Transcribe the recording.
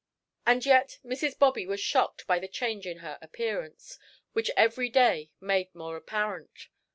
And yet Mrs. Bobby was shocked by the change in her appearance, which every day made more apparent.